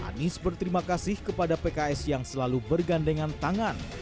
anies berterima kasih kepada pks yang selalu bergandengan tangan